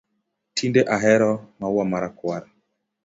Tinde ahero maua ma rakwar